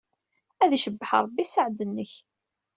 Ad icebbeḥ Ṛebbi sseɛd-nnek.